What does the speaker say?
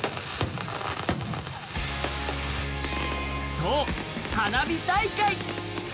そう、花火大会。